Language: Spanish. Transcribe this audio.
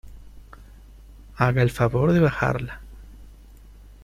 haga el favor de bajarla.